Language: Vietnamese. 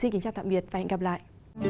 xin kính chào tạm biệt và hẹn gặp lại